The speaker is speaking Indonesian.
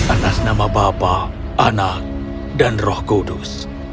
atas nama bapak anak dan roh kudus